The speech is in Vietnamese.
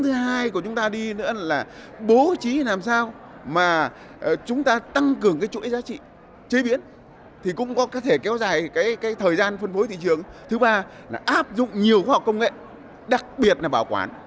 thứ ba là áp dụng nhiều khoa học công nghệ đặc biệt là bảo quản